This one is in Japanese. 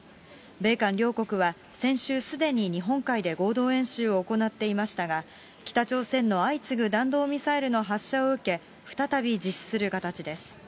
米韓両国は先週、すでに日本海で合同演習を行っていましたが、北朝鮮の相次ぐ弾道ミサイルの発射を受け、再び実施する形です。